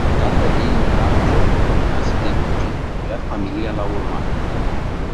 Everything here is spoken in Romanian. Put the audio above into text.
Tatăl ei lucra în fostul combinat siderurgic, iar familia l-a urmat.